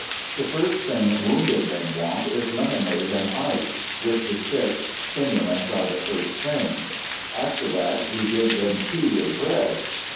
The first thing wounded men want is lemonade and ice (with the sick, stimulants are the first thing); after that, we give them tea and bread.